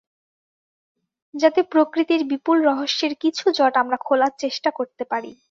যাতে প্রকৃতির বিপুল রহস্যের কিছু জট আমরা খোলার চেষ্টা করতে পারি।